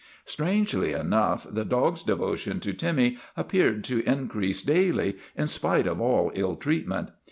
Strangely enough, the dog's devotion to Timmy appeared to increase daily, in spite of all ill treat ment.